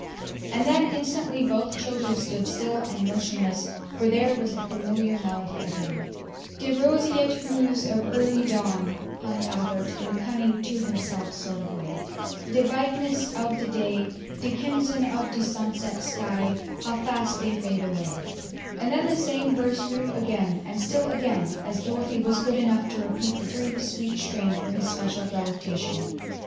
And then instantly both children stood still and motionless, for there was the familiar melody again. [Illustration: 0073] "De roseate hoos of early dawn," hummed Albert in a cunning, to himself sort of way, De biteness of de day, De kimson of de sunset sky, How fast dey fade away," and then the same verse through again and still again, as Dorothy was good enough to repeat the brief, sweet strain for his special delectation.